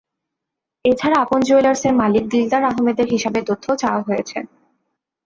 এ ছাড়া আপন জুয়েলার্সের মালিক দিলদার আহমেদের হিসাবের তথ্যও চাওয়া হয়েছে।